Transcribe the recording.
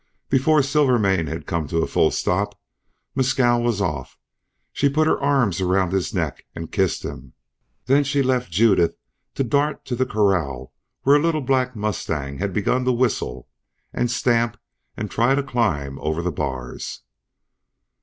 Before Silvermane had come to a full stop Mescal was off. She put her arms around his neck and kissed him, then she left Judith to dart to the corral where a little black mustang had begun to whistle and stamp and try to climb over the bars.